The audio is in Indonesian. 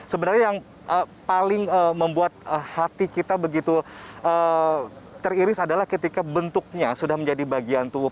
sebenarnya yang paling membuat hati kita begitu teriris adalah ketika bentuknya sudah menjadi bagian tubuh